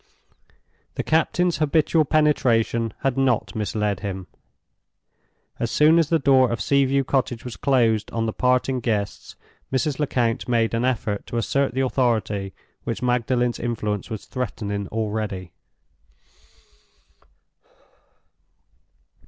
The captain's habitual penetration had not misled him. As soon as the door of Sea view Cottage was closed on the parting guests, Mrs. Lecount made an effort to assert the authority which Magdalen's influence was threatening already.